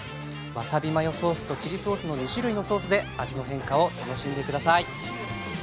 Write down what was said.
わさびマヨソースとチリソースの２種類のソースで味の変化を楽しんで下さい。